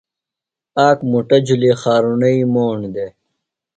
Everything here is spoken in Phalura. آک مُٹہ جُھلیۡ خارُرݨئی موݨ دےۡ۔